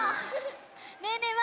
ねえねえ